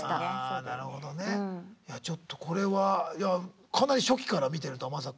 あなるほどね。いやちょっとこれはいやかなり初期から見てるとはまさか。